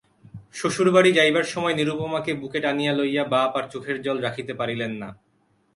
শ্বশুরবাড়ি যাইবার সময় নিরুপমাকে বুকে টানিয়া লইয়া বাপ আর চোখের জল রাখিতে পারিলেন না।